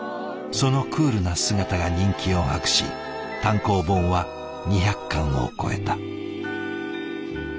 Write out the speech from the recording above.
そのクールな姿が人気を博し単行本は２００巻を超えた。